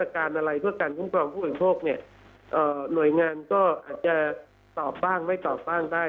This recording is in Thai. การอะไรเพื่อการคุ้มครองผู้บริโภคเนี่ยหน่วยงานก็อาจจะตอบบ้างไม่ตอบบ้างได้